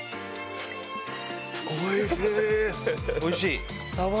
おいしいー。